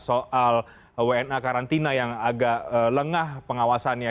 soal wna karantina yang agak lengah pengawasannya